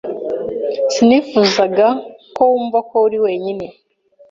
Sinifuzaga ko wumva ko uri wenyine.